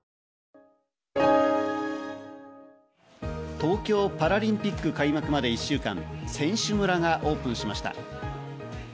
東京パラリンピック開幕まで１週間、選手村がオープンしました。